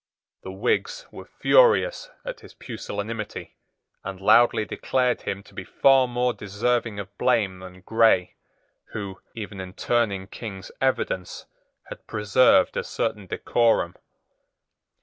The Whigs were furious at his pusillanimity, and loudly declared him to be far more deserving of blame than Grey, who, even in turning King's evidence, had preserved a certain decorum.